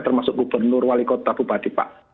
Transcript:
termasuk gubernur wali kota bupati pak